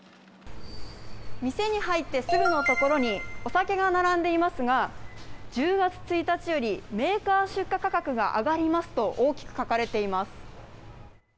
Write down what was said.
店に入ってすぐの所に、お酒が並んでいますが、１０月１日よりメーカー出荷価格が上がりますと大きく書かれています。